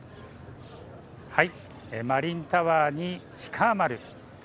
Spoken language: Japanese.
マリンタワーに氷川丸。